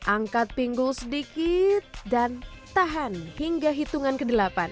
angkat pinggul sedikit dan tahan hingga hitungan ke delapan